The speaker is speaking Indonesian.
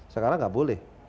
sekarang tidak boleh